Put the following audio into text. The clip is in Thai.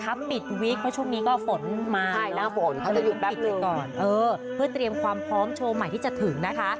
ครับปิดวีคเพราะช่วงนี้ก็ฝนมากนะครับปิดเลยก่อนเพื่อเตรียมความพร้อมโชว์ใหม่ที่จะถึงนะคะ